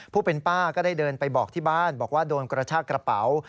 ผู้เป็นป้าก็ได้เดินไปบอกที่บ้านบอกว่าโดนกระชากระเป๋า